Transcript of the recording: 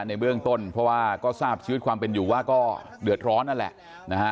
ในเบื้องต้นเพราะว่าก็ทราบชีวิตความเป็นอยู่ว่าก็เดือดร้อนนั่นแหละนะฮะ